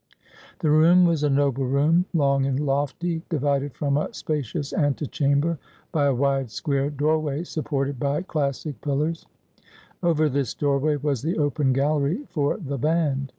The room was a noble room, long and lofty, divided from a spacious antechamber by a wide square doorway, supported by 220 Asphodel. classic pillars. Over this doorway was the open gallery for the band.